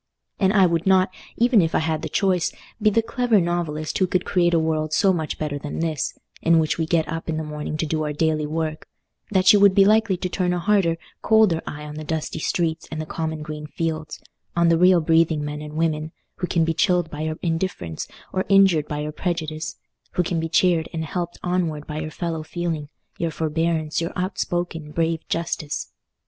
And I would not, even if I had the choice, be the clever novelist who could create a world so much better than this, in which we get up in the morning to do our daily work, that you would be likely to turn a harder, colder eye on the dusty streets and the common green fields—on the real breathing men and women, who can be chilled by your indifference or injured by your prejudice; who can be cheered and helped onward by your fellow feeling, your forbearance, your outspoken, brave justice.